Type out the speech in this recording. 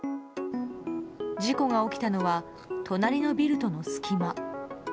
事故が起きたのは隣のビルとの隙間。